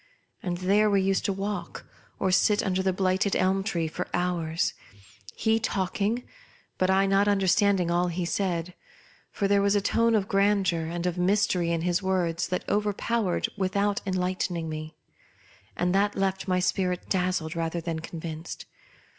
And there we used to walk or sit under the blighted elm tree for hours; he talking, but I not under standing all he said: for there was a tone of grandeur and of mystery in his words that overpowered without enlightening me, and that left my spirit dazzled rather than con ^ vinced.